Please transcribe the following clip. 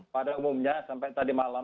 pada umumnya sampai tadi